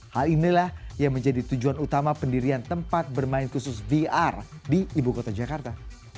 hal inilah yang menjadi tujuan utama pendirian tempat bermain khusus vr di ibu kota jakarta